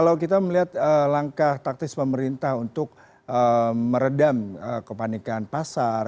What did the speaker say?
kalau kita melihat langkah taktis pemerintah untuk meredam kepanikan pasar